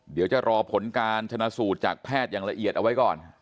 เดี๋ยวจะรอผลการชนะสูตรจากแพทย์อย่างละเอียดเอาไว้ก่อน